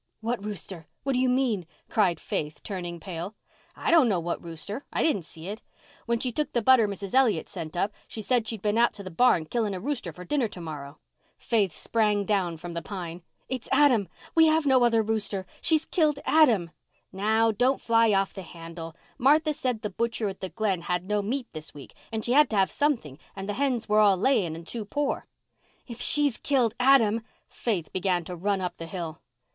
"What rooster? What do you mean?" cried Faith, turning pale. "I don't know what rooster. I didn't see it. When she took the butter Mrs. Elliott sent up she said she'd been out to the barn killing a rooster for dinner tomorrow." Faith sprang down from the pine. "It's Adam—we have no other rooster—she has killed Adam." "Now, don't fly off the handle. Martha said the butcher at the Glen had no meat this week and she had to have something and the hens were all laying and too poor." "If she has killed Adam—" Faith began to run up the hill.